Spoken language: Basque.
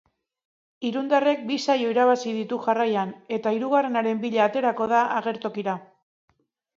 Irundarrak bi saio irabazi ditu jarraian eta hirugarrenaren bila aterako da agertokira.